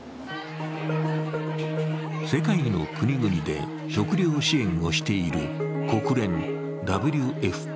世界の国々で食料支援をしている国連ＷＦＰ。